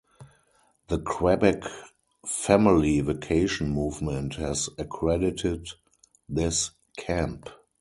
The Quebec Family Vacation Movement has accredited this camp.